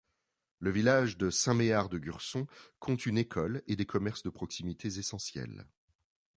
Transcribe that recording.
Le village de Saint-Méard-de-Gurçon compte une école et des commerces de proximité essentiels.